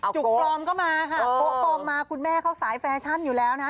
ปลอมก็มาค่ะโป๊ปลอมมาคุณแม่เขาสายแฟชั่นอยู่แล้วนะ